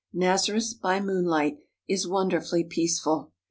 Nazareth by moonlight is wonderfully peaceful.